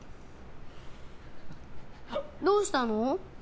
どうしたの？